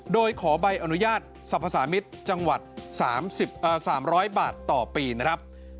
โดยขอใบอนุญาตสรรพสามิตรจังหวัด๓๐๐บาทต่อปีนะครับ